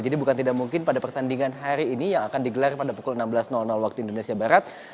jadi bukan tidak mungkin pada pertandingan hari ini yang akan digelar pada pukul enam belas waktu indonesia barat